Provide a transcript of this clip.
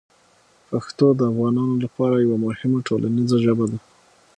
پښتو د افغانانو لپاره یوه مهمه ټولنیزه ژبه ده.